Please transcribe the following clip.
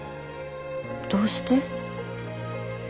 どうして？